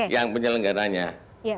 yang penyelenggaraan itu adalah